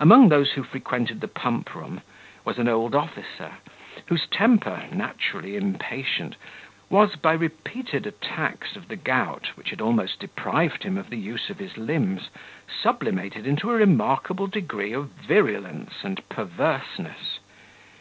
Among those who frequented the pump room, was an old officer, whose temper, naturally impatient, was, by repeated attacks of the gout, which had almost deprived him of the use of his limbs, sublimated into a remarkable degree of virulence and perverseness.